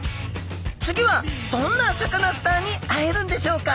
次はどんなサカナスターに会えるんでしょうか。